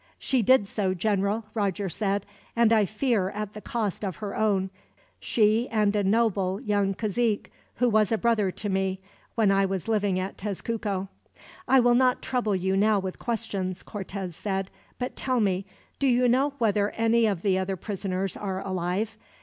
"She did so, General," Roger said; "and I fear at the cost of her own she and a noble young cazique, who was a brother to me, when I was living at Tezcuco." "I will not trouble you now with questions," Cortez said; "but tell me do you know whether any of the other prisoners are alive?